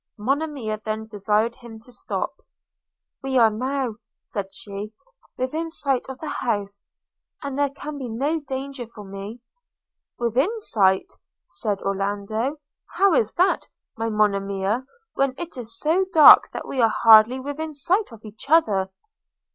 – Monimia then desired him to stop – 'We are now,' said she, 'within sight of the house, and there can be no danger for me.' – 'Within sight!' said Orlando: 'How is that, my Monimia, when it is so dark that we are hardly within sight of each other?'